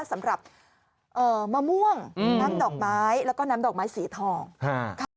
สำหรับมะม่วงน้ำดอกไม้แล้วก็น้ำดอกไม้สีทองค่ะ